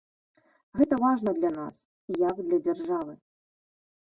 Гэта важна для нас, як для дзяржавы.